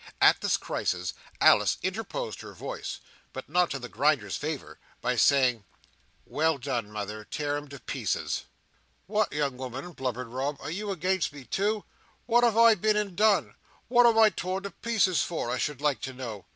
At this crisis Alice interposed her voice, but not in the Grinder's favour, by saying, "Well done, mother. Tear him to pieces!" "What, young woman!" blubbered Rob; "are you against me too? What have I been and done? What am I to be tore to pieces for, I should like to know?